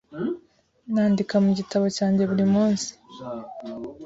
Nandika mu gitabo cyanjye buri munsi.